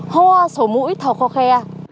hoa sổ mũi thầu kho khe